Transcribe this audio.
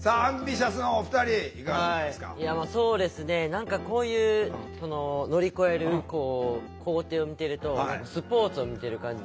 何かこういう乗り越える工程を見てるとスポーツを見てる感じ。